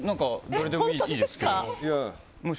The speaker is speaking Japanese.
どれでもいいですけど。